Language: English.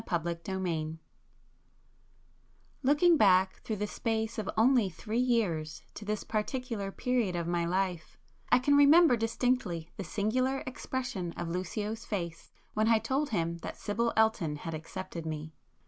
[p 208]XVIII Looking back through the space of only three years to this particular period of my life, I can remember distinctly the singular expression of Lucio's face when I told him that Sibyl Elton had accepted me.